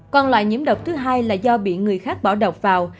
còn lại nhiễm độc thứ hai là do bị người khác bỏ độc vào